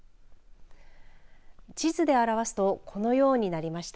地図で表すとこのようになりました。